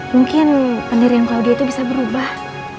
mungkin pandirian claudia itu bisa berubah